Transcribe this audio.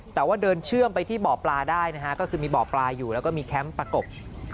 แต่ว่าเดินเชื่อมไปที่บ่อปลาได้นะฮะก็คือมีบ่อปลาอยู่แล้วก็มีแคมป์ประกบ